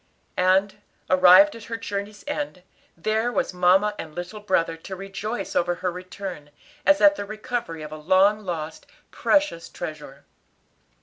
And, arrived at her journey's end, there were mamma and little brother to rejoice over her return, as at the recovery of a long lost, precious treasure.